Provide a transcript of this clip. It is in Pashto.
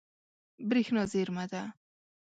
برېښنا زیرمه ده.